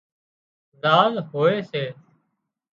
زاز هوئي سي